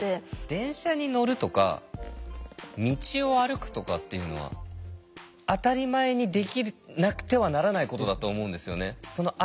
電車に乗るとか道を歩くとかっていうのは当たり前にできなくてはならないことだと思うんですよね。